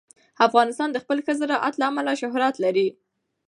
افغانستان د خپل ښه زراعت له امله شهرت لري.